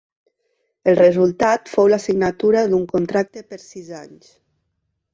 El resultat fou la signatura d'un contracte per sis anys.